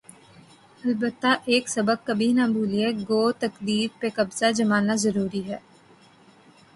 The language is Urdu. البتہ ایک سبق کبھی نہ بھولے‘ گو اقتدار پہ قبضہ جمانا ضروری ہے۔